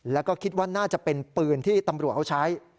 แล้วก็คิดว่าน่าจะเป็นปืนที่ตำรวจเขาใช้